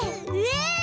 えっ！